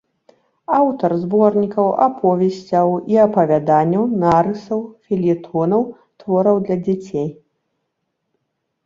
Аўтар зборнікаў, аповесцяў і апавяданняў, нарысаў, фельетонаў, твораў для дзяцей.